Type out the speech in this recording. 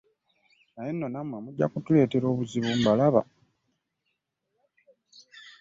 Naye nno nammwe mujja kutuleetera obuzibu mbalaba.